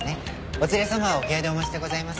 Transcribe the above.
お連れ様はお部屋でお待ちでございます。